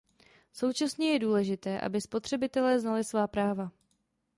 Současně je důležité, aby spotřebitelé znali svá práva.